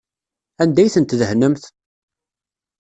Anda ay tent-tdehnemt?